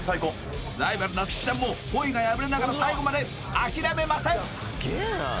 ライバル夏生ちゃんもポイが破れながら最後まで諦めません！